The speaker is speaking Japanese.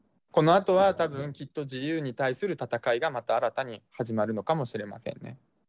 このあとはたぶん、きっと自由に対する戦いがまだ新たに始まるのかもしれませんね。